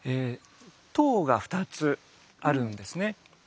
塔が２つあるんですね。